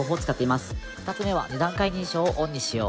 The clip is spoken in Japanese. ２つめは２段階認証をオンにしよう。